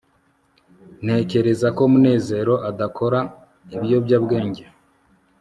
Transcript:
ntekereza ko munezero adakora ibiyobyabwenge